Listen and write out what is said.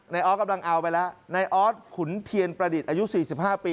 ออสกำลังเอาไปแล้วนายออสขุนเทียนประดิษฐ์อายุ๔๕ปี